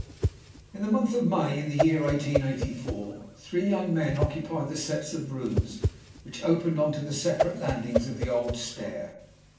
In the month of May, in the year 1884, three young men occupied the sets of rooms which opened on to the separate landings of the old stair.